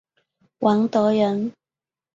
王德人。